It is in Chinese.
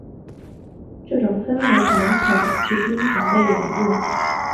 这种分类传统至今仍被沿用。